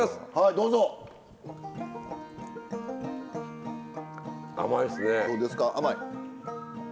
どうですか甘い？